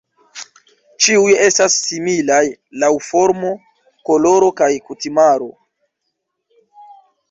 Ĉiuj estas similaj laŭ formo, koloro kaj kutimaro.